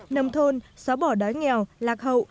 nông thôn xóa bỏ đá nghèo lạc hậu